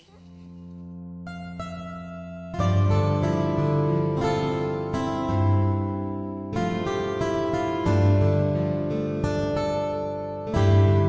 โปรดติดตามตอนต่อไป